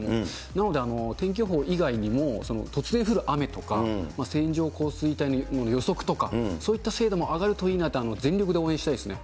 なので、天気予報以外にも、突然降る雨とか、線状降水帯の予測とか、そういった精度も上がるといいなと、全力で応援したいですね。